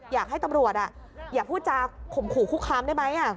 อยากให้ตำรวจอย่าพูดจาข่มขู่คุกคามได้ไหม